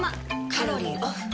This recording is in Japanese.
カロリーオフ。